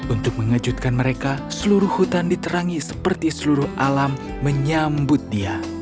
untuk mengejutkan mereka seluruh hutan diterangi seperti seluruh alam menyambut dia